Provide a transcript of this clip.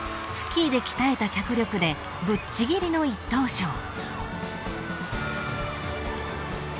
スキーで鍛えた脚力でぶっちぎりの一等賞］